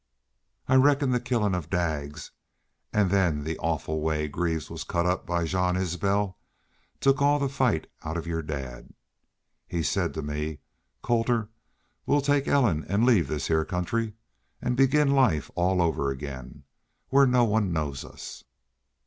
I reckon the killin' of Daggs an' then the awful way Greaves was cut up by Jean Isbel took all the fight out of your dad. He said to me, 'Colter, we'll take Ellen an' leave this heah country an' begin life all over again where no one knows us.'"